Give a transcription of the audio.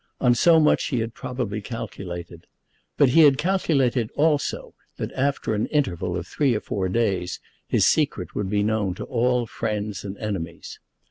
On so much he had probably calculated. But he had calculated also that after an interval of three or four days his secret would be known to all friends and enemies.